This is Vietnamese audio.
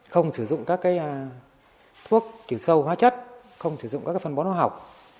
không sử dụng các thuốc kiểu sâu hóa chất không sử dụng các phần bó nó học